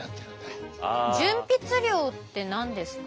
潤筆料って何ですか？